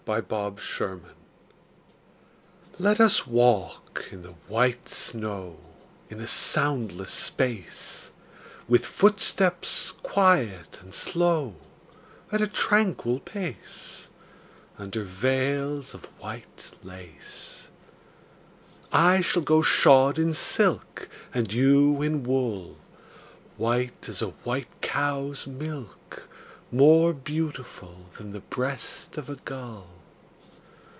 VELVET SHOES Let us walk in the white snow In a soundless space; With footsteps quiet and slow, At a tranquil pace, Under veils of white lace. I shall go shod in silk, And you in wool, White as a white cow's milk, More beautiful Than the breast of a gull.